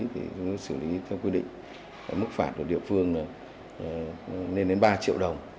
thì chúng tôi xử lý theo quy định mức phạt của địa phương là lên đến ba triệu đồng